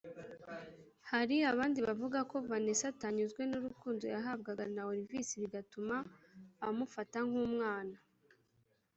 Hari abandi bavuga ko Vanessa atanyuzwe n’urukundo yahabwaga na Olivis bigatuma amufata nk’umwana